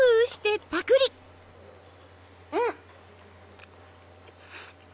うん！